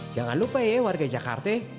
jangan lupa ya warga jakarta